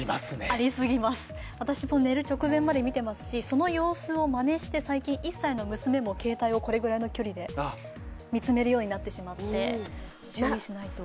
ありすぎます、私も寝る直前まで見てますしその様子をまねして、最近、１歳の娘も携帯をこれくらいの距離で見つめるようになってしまって、注意しないと。